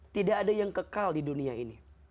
tidak ada yang kekal di dunia ini